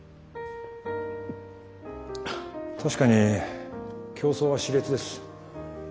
確かに競争は熾烈です。